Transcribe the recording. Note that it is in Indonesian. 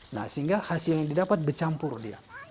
nah sehingga hasil yang didapat bercampur dia